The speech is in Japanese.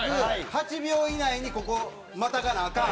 ８秒以内にここ、またがなアカン。